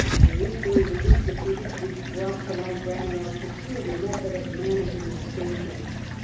An inquiry was instituted, which brought to light Branwell's peculiar method of managing the station.